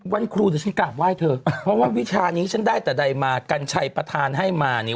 วันครูเดี๋ยวฉันกราบไหว้เธอเพราะว่าวิชานี้ฉันได้แต่ใดมากัญชัยประธานให้มาเนี่ย